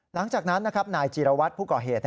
หลังจากนั้นนะครับนายจีรวัตรผู้ก่อเหตุ